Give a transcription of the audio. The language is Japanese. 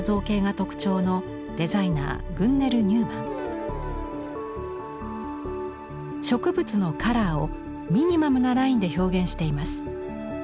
植物のカラーをミニマムなラインで表現しています。